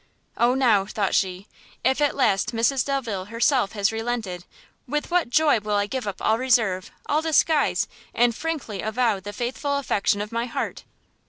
"Oh now," thought she, "if at last Mrs Delvile herself has relented, with what joy will I give up all reserve, all disguise, and frankly avow the faithful affection of my heart!"